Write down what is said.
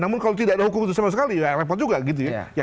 namun kalau tidak ada hukum itu sama sekali ya repot juga gitu ya